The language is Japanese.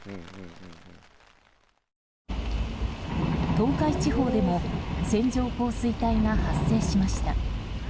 東海地方でも線状降水帯が発生しました。